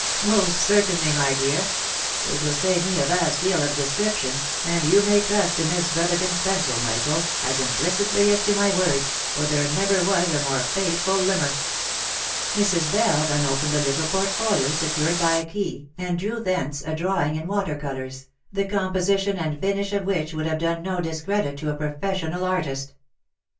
Most certainly, my dear ; it will save me a vast deal of descrip tion, and you may trust to Miss Brotherton's pencil, Michael, as im plicitly as to my words, for there never was a more faithful limner." Mrs. Bell then opened a little portfolio, secured by a key, and drew thence a drawing in water colours, the composition and finish of which would have done no discredit to a professional artist.